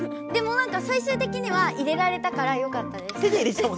でもなんか最終的には入れられたからよかったです。